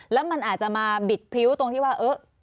แล้วมันอาจจะมาบิดพริ้วตรงที่ว่าเออ